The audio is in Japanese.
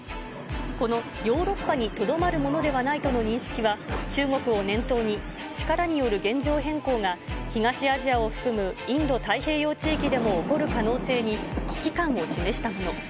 このヨーロッパにとどまるものではないとの認識は、中国を念頭に、力による現状変更が、東アジアを含むインド太平洋地域でも起こる可能性に危機感を示したもの。